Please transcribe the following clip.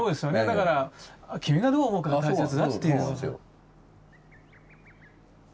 だから「君がどう思うかが大切だ」っていう。